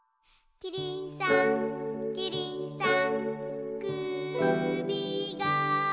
「キリンさんキリンさん」